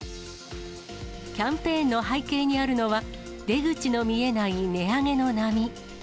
キャンペーンの背景にあるのは、出口の見えない値上げの波。